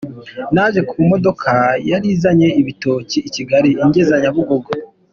Naje ku modoka yarizanye ibitoki i Kigali ingeza Nyabugogo.